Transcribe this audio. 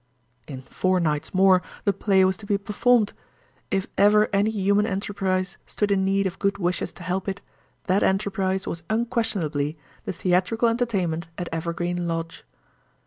In four nights more the play was to be performed. If ever any human enterprise stood in need of good wishes to help it, that enterprise was unquestionably the theatrical entertainment at Evergreen Lodge!